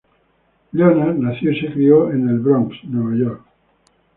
Leonard nació y se crio en Bronx, Nueva York.